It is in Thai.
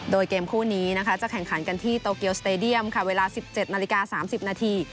โดยเกมคู่นี้นะคะจะแข่งขันกันที่โตเกียวสเตดียมค่ะเวลา๑๗นาฬิกา๓๐นาที